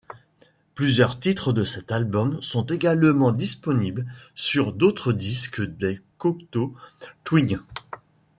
Plusieurs titres de cet album sont également disponibles sur d'autres disques des Cocteau Twins.